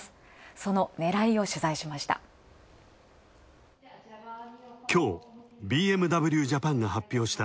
その狙いを取材しました。